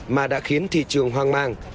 mà đã khiến thị trường hoang mang